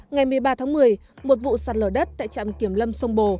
ngày một mươi ba tháng một mươi một vụ sạt lở đất tại trạm kiểm lâm sông bồ